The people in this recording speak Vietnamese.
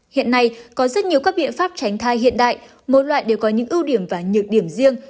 hiện nay có rất nhiều các biện pháp tránh thai hiện đại mỗi loại đều có những ưu điểm và nhược điểm riêng